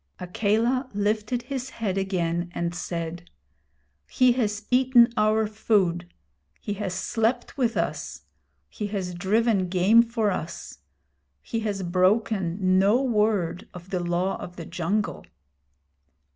Akela lifted his head again, and said: 'He has eaten our food. He has slept with us. He has driven game for us. He has broken no word of the Law of the Jungle.'